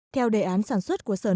theo đề án sản xuất của sở nước